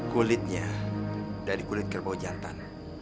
kulitnya dari kulit kerbau jantan